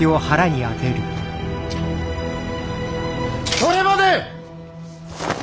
・それまで！